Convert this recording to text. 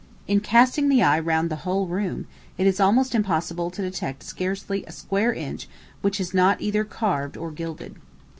In casting the eye round the whole room, it is almost impossible to detect scarcely a square inch which is not either carved or gilded.